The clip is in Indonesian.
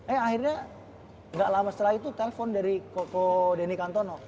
eh akhirnya gak lama setelah itu telfon dari ko denny kantono